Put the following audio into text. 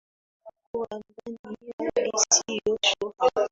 Alijua kuwa ndani hali sio shwari